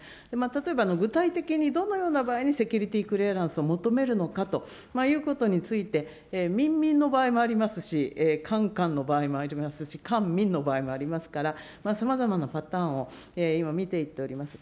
例えば具体的にどのような場合にセキュリティクリアランスを求めるのかということについて、民民の場合もありますし、官官の場合もありますし、官民の場合もありますから、さまざまなパターンを今、見ていっております。